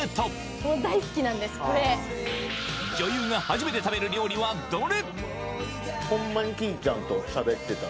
女優が初めて食べる料理はどれ？